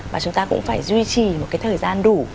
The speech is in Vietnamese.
và chúng ta cũng phải duy trì một cái thời gian đủ